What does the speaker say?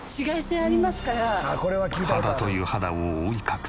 肌という肌を覆い隠す。